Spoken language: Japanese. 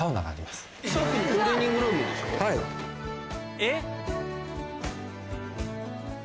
えっ？